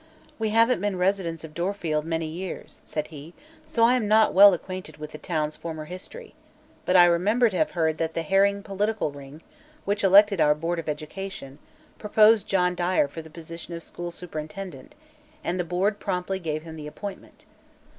"We haven't been residents of Dorfield many years," said he, "so I am not well acquainted with the town's former history. But I remember to have heard that the Herring political ring, which elected our Board of Education, proposed John Dyer for the position of school superintendent and the Board promptly gave him the appointment."